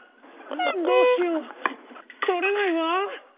どうしようとれないわ！」。